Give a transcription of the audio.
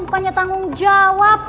bukannya tanggung jawab